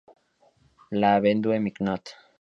La Vendue-Mignot